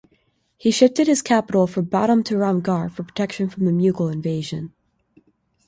He shifted his capital from Badam to Ramgarh for protection from Mughal invasion.